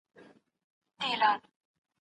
زه اجازه لرم چي کور پاک کړم.